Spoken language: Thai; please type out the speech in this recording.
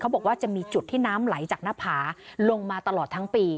บอกว่าจะมีจุดที่น้ำไหลจากหน้าผาลงมาตลอดทั้งปี